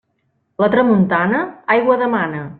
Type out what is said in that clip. La tramuntana, aigua demana.